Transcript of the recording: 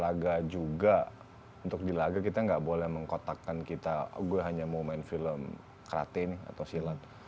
laga juga untuk di laga kita nggak boleh mengkotakkan kita gue hanya mau main film krate nih atau silat